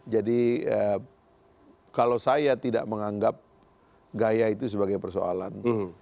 jadi kalau saya tidak menganggap gaya itu sebagai persoalan